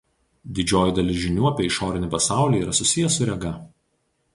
Didžioji dalis žinių apie išorinį pasaulį yra susiję su rega.